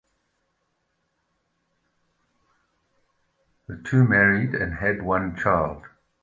The two married and had one child.